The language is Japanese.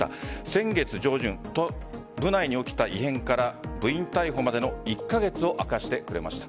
先月上旬部内に起きた異変から部員逮捕までの１カ月を明かしてくれました。